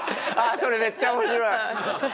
それめっちゃ面白い！